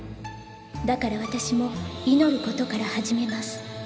だから私も祈ることから始めます」。